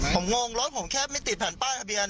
ผมงงรถผมแค่ไม่ติดแผ่นป้ายทะเบียน